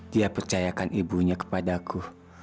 dia percayakan ibunya kepadaku